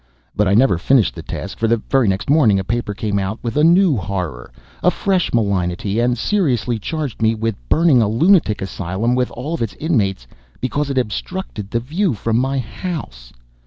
But I never finished the task, for the very next morning a paper came out with a new horror, a fresh malignity, and seriously charged me with burning a lunatic asylum with all its inmates, because it obstructed the view from my house.